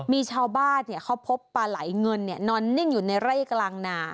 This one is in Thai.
มีชาวบ้านเขาพบปลาไหลเงินนอนนิ่งอยู่ในไร่กลางนา